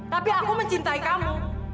tapi aku mencintai kamu